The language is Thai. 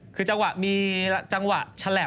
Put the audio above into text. คือจังหวะมีจังหวะชะแหลบด้วยครับ